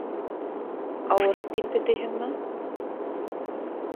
Ауырып китте, тиһеңме?